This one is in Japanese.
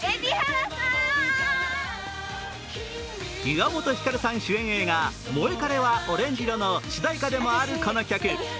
岩本照さん主演映画「モエカレはオレンジ色」の主題歌でもあるこの曲。